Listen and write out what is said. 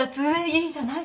いいじゃない。